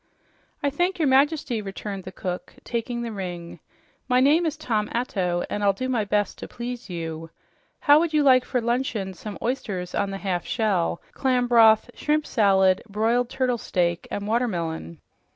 "I thank your Majesty," returned the cook, taking the ring. "My name is Tom Atto, and I'll do my best to please you. How would you like for luncheon some oysters on the half shell, clam broth, shrimp salad, broiled turtle steak and watermelon?"